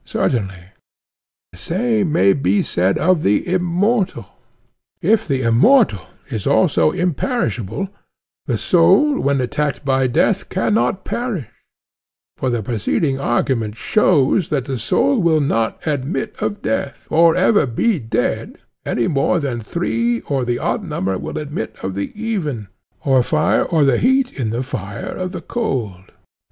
Certainly, he said. And the same may be said of the immortal: if the immortal is also imperishable, the soul when attacked by death cannot perish; for the preceding argument shows that the soul will not admit of death, or ever be dead, any more than three or the odd number will admit of the even, or fire or the heat in the fire, of the cold.